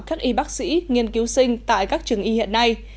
các y bác sĩ nghiên cứu sinh tại các trường y hiện nay